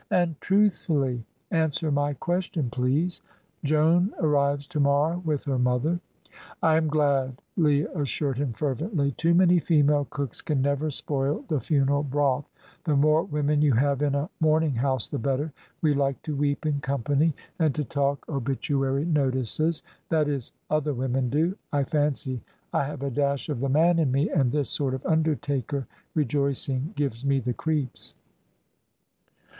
"And truthfully. Answer my question, please." "Joan arrives to morrow with her mother." "I am glad," Leah assured him fervently. "Too many female cooks can never spoil the funeral broth. The more women you have in a mourning house the better. We like to weep in company and to talk obituary notices. That is, other women do. I fancy I have a dash of the man in me, and this sort of undertaker rejoicing gives me the creeps."